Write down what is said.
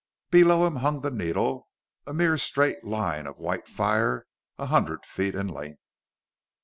Below him hung the needle, a mere straight line of white fire, a hundred feet in length.